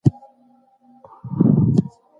د عمر مانا په پوهه او عمل کي ده.